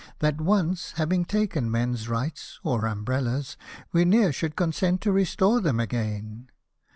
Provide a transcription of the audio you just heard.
That, once having taken men's rights, or umbrellas, We ne'er should consent to restore them again.